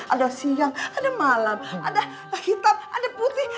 ada siang ada malam ada hitam ada putih